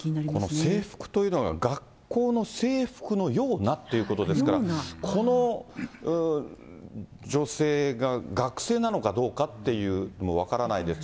この制服というのが、学校の制服のようなってことですから、この女性が学生なのかどうかっていうのも分からないですし。